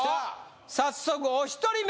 早速お一人目